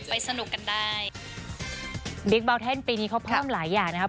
สนุกกันได้บิ๊กเบาเทนปีนี้เขาเพิ่มหลายอย่างนะครับ